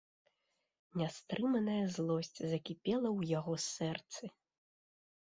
Нястрыманая злосць закіпела ў яго сэрцы.